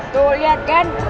tuh liat kan